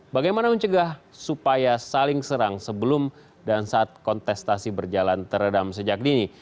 bagaimana mencegah supaya saling serang sebelum dan saat kontestasi berjalan teredam sejak dini